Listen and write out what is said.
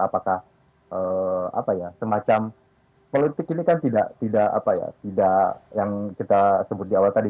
apakah semacam politik ini kan tidak yang kita sebut di awal tadi